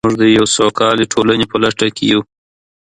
موږ د یوې سوکاله ټولنې په لټه کې یو.